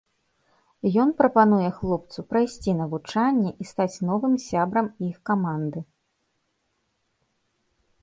Ён прапануе хлопцу прайсці навучанне і стаць новым сябрам іх каманды.